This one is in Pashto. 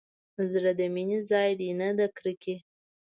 زړه د مينې ځاى دى نه د کرکې.